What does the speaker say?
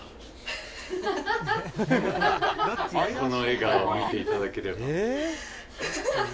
この笑顔を見ていただければ。